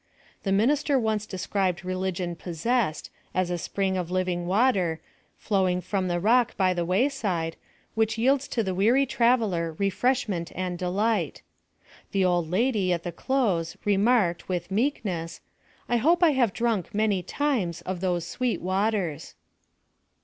The minister once de scribed religion possessed, as a spring of living wa ter, flowing from the rock by the way side, which yields to the weary traveller refreshment and de light ; the old lady, at the close, remarked, with meekness, " I hope I have drank, many times, of those sweet waters.